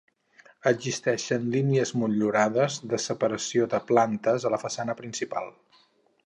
Existeixen línies motllurades de separació de plantes a la façana principal.